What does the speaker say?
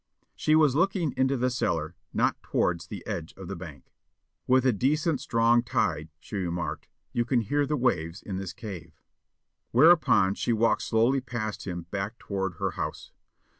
She was looking into the cellar, not towards the edge of the bank. "With a decent strong tide," she remarked, "you can hear the waves in this cave." Whereupon she walked slowly past him back toward her house.